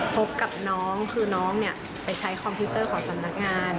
พบกับน้องคือน้องเนี่ยไปใช้คอมพิวเตอร์ของสำนักงาน